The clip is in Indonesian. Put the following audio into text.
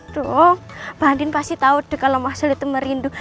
tuh pak andin pasti tahu deh kalau mas elit merindu